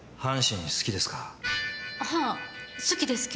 はあ好きですけど。